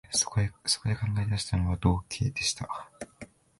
そこで考え出したのは、道化でした